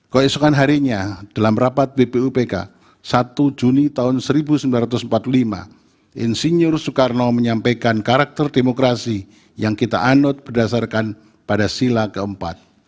keesokan harinya dalam rapat bpupk satu juni tahun seribu sembilan ratus empat puluh lima insinyur soekarno menyampaikan karakter demokrasi yang kita anut berdasarkan pada sila keempat